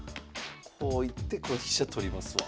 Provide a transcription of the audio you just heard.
こういってこう飛車取りますわ。